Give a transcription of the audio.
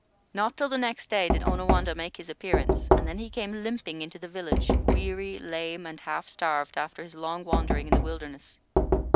Not till the next day did Onawandah make his appearance, and then he came limping into the village, weary, lame, and half starved, after his long wandering in the wilderness.